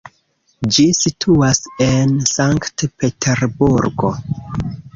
Ĝi situas en Sankt-Peterburgo.